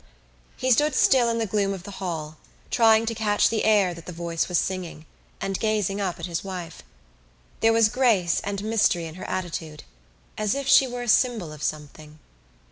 He stood still in the gloom of the hall, trying to catch the air that the voice was singing and gazing up at his wife. There was grace and mystery in her attitude as if she were a symbol of something.